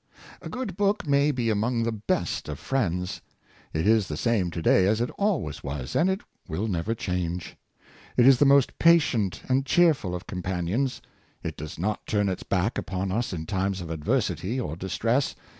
A good book may be among the best ol friends. It is the same to day as it always was, and it will never change. It is the most patient and cheerful of companions. It does not turn its back upon us in times of adversity or distress.